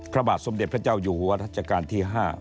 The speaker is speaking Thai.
ขบาทสมเด็จพระเจ้าอยู่หัวราชการที่ห้า